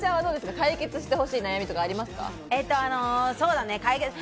解決してほしい悩みありますか？